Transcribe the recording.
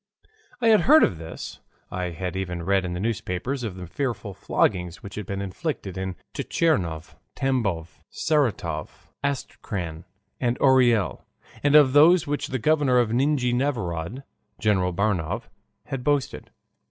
I had heard of this, I had even read in the newspapers of the fearful floggings which had been inflicted in Tchernigov, Tambov, Saratov, Astrakhan, and Orel, and of those of which the governor of Nijni Novgorod, General Baranov, had boasted.